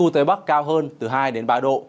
tới bắc cao hơn từ hai đến ba độ